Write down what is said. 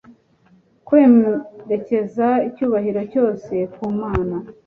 kwerekeza icyubahiro cyose ku mana